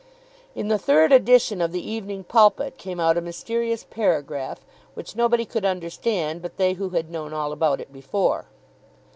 In the third edition of the "Evening Pulpit" came out a mysterious paragraph which nobody could understand but they who had known all about it before.